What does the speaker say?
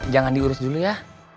jangan diurus dulu ya